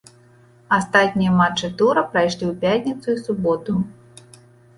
Астатнія матчы тура прайшлі ў пятніцу і суботу.